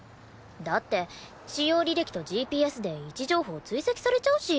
だって使用履歴とＧＰＳで位置情報追跡されちゃうし。